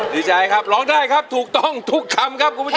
ดีใจครับร้องได้ครับถูกต้องทุกคำครับคุณผู้ชม